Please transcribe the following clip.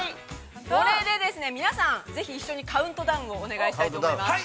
◆これで皆さん、ぜひ、一緒にカウントダウンをお願いしたいと思います。